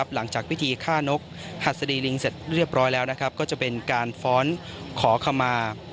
หลังจากพิธีฆ่านกหัสดีลิงเสร็จเรียบร้อยแล้วก็จะเป็นการฟ้อนขอขมา